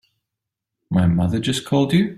My mother just called you?